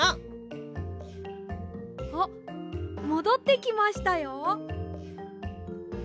あっもどってきましたよ。